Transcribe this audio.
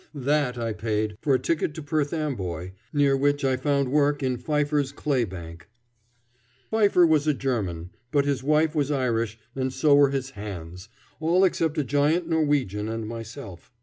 That I paid for a ticket to Perth Amboy, near which place I found work in Pfeiffer's clay bank. Pfeiffer was a German, but his wife was Irish and so were his hands, all except a giant Norwegian and myself.